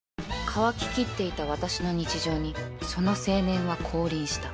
乾ききっていた私の日常にその青年は降臨した